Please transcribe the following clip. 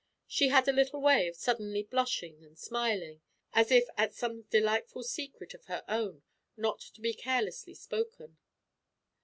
She had a little way of suddenly blushing and smiling, as if at some delightful secret of her own not to be carelessly spoken.